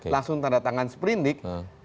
langsung tanda tangan seperindik